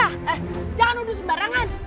eh jangan nudu sembarangan